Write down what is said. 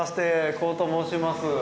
コウと申します。